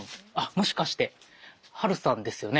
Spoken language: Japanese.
もしかしてハルさんですよね？